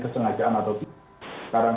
harusnya ada prosedur yang bisa dilakukan